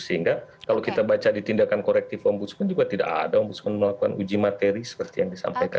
sehingga kalau kita baca di tindakan korektif ombudsman juga tidak ada ombudsman melakukan uji materi seperti yang disampaikan